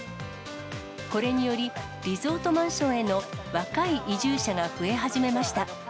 これにより、リゾートマンションへの若い移住者が増え始めました。